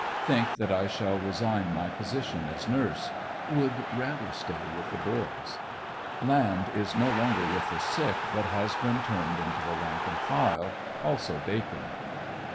Think that I shall resign my position as nurse. Would rather stay with the "boys." Land is n » longer with the sick but has been turned into the rank and file, also Dakin.